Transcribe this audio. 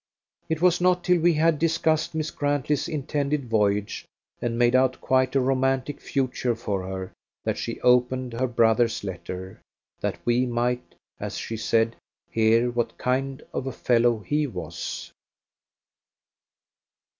It was not till we had discussed Miss Grantley's intended voyage and made out quite a romantic future for her that she opened her brother's letter, that we might, as she said, hear what kind of fellow he was.